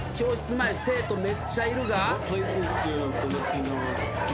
前生徒めっちゃいるが。